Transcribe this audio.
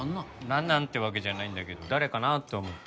なんなん？ってわけじゃないんだけど誰かなって思って。